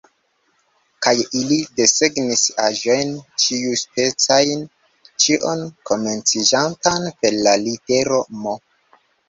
Kaj ili desegnis aĵojn ĉiuspecajn, ĉion komenciĝantan per la litero M.